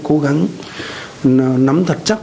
cố gắng nắm thật chắc